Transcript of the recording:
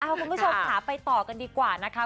คุณผู้ชมค่ะไปต่อกันดีกว่านะคะ